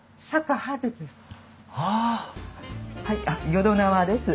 淀縄です。